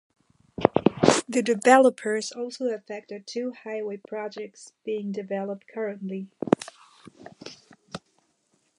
The developers also affected two highway projects being developed concurrently.